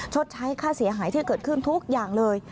ชดใช้ค่าเสียหายที่เกิดขึ้นทุกอย่างเลย